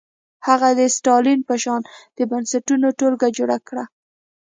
هغه د ستالین په شان د بنسټونو ټولګه جوړه کړه.